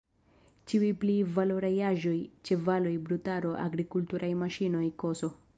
Ĉiuj pli valoraj aĵoj, ĉevaloj, brutaro, agrikulturaj maŝinoj ks.